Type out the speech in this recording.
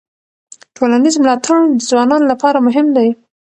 ټولنیز ملاتړ د ځوانانو لپاره مهم دی.